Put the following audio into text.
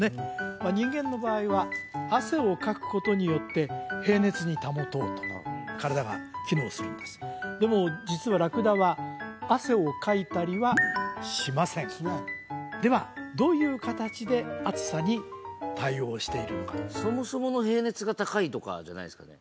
まあ人間の場合は汗をかくことによって平熱に保とうと体が機能するんですでも実はラクダは汗をかいたりはしませんではどういう形で暑さに対応しているのかそもそもの平熱が高いとかじゃないんですかね？